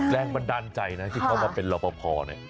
แรงบันดาลใจนะที่เขามาเป็นรอปภเนี่ย